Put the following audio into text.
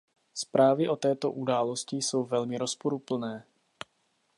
Zprávy o této události jsou velmi rozporuplné.